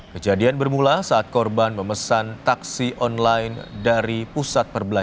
kejadian bermula saat korban memesak kembali ke tempat yang tidak terdapat perangkap